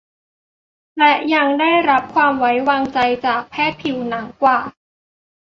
และยังได้รับความไว้วางใจจากแพทย์ผิวหนังกว่า